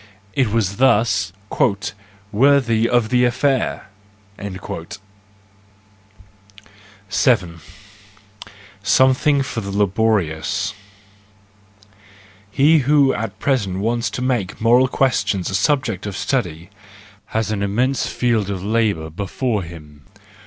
It was thus " worthy of the affair "! 7 Something for the Laborious .—He who at present wants to make moral questions a subject of study has an immense field of labour before him.